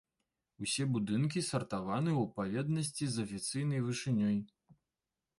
Усе будынкі сартаваны ў адпаведнасці з афіцыйнай вышынёй.